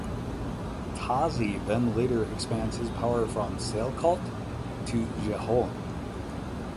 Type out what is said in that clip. Tazi then later expands his power from Sialkot to Jhelum.